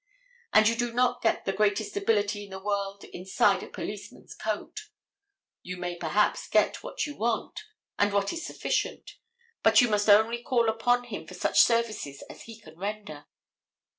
And you do not get the greatest ability in the world inside a policeman's coat. You may perhaps get what you want, and what is sufficient, but you must only call upon him for such services as he can render.